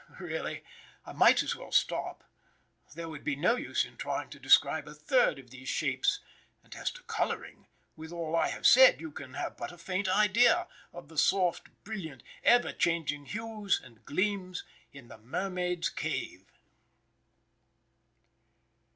Really, I might as well stop. There would be no use in trying to describe a third of these shapes, and as to coloring, with all I have said, you can have but a faint idea of the soft, brilliant, ever changing hues and gleams in the mermaid's cave.